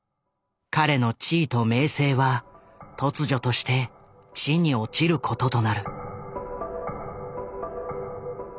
彼の地位と名声は突如として地に落ちることとなる。